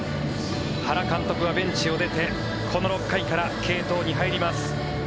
原監督はベンチを出てこの６回から継投に入ります。